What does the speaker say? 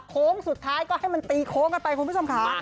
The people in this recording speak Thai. โค้งสุดท้ายก็ให้มันตีโค้งกันไปคุณผู้ชมค่ะ